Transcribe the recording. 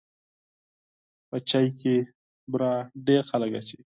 په چای کې بوره ډېر خلک اچوي.